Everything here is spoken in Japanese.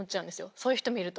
そういう人見ると。